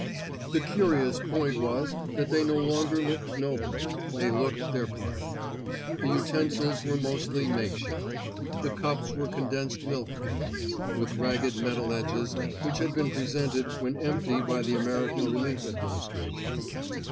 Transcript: The curious point was that they no longer looked noble; they looked their part. The utensils were mostly make shift; the cups were condensed milk cans, with ragged metal edges which had been presented when empty by the American Relief Administration.